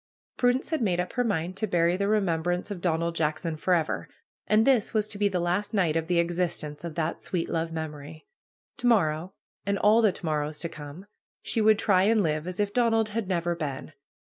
Prudence had made up her mind to bury the remembrance of Donald Jackson forever. And this was to be the last night of the existence of that sweet love memory. To morrow, and all the to morrows to come, she would try and live as if Donald had never been.